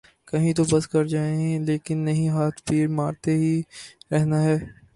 کہیں تو بس کر جائیں لیکن نہیں ‘ ہاتھ پیر مارتے ہی رہنا ہے۔